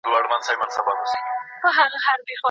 که د اوبو لښتي پاک وساتل سي، نو اوبه سړکونو ته نه راوځي.